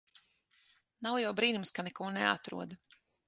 Nav jau brīnums ka neko neatrod.